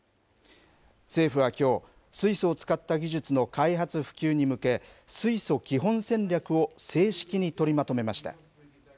政府はきょう、水素を使った技術の開発・普及に向け、水素基本戦略を正式に取りまとめました。